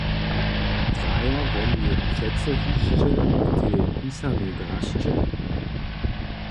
Hraja woni přeco hišće w tej pisanej drasće?